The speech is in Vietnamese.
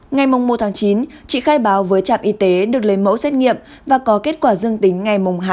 ngày một tháng chín chị khai báo với trạm y tế được lấy môn